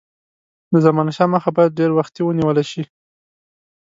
د زمانشاه مخه باید ډېر وختي ونیوله شي.